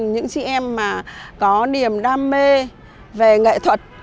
những chị em mà có niềm đam mê về nghệ thuật